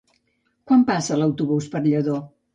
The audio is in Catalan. Quan passa l'autobús per Lladó?